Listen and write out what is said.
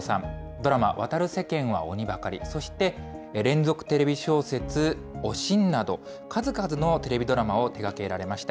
ドラマ、渡る世間は鬼ばかり、そして連続テレビ小説、おしんなど、数々のテレビドラマを手がけられました。